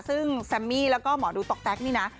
ซึ่งแซมมี่แล้วก็หมอดูต๊อกแต๊กนี่นะ